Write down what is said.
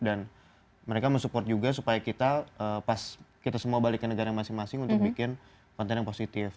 dan mereka mensupport juga supaya kita pas kita semua balik ke negara masing masing untuk bikin konten yang positif